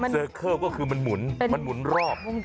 เคิลก็คือมันหมุนมันหมุนรอบ